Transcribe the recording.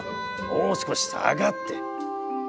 もう少し下がって」。